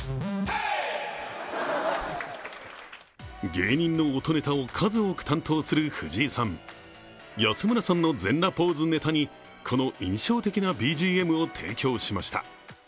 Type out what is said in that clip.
芸人の音ネタを数多く担当する藤井さん、安村さんの全裸ポーズネタにこの印象的なＢＧＭを提供しました。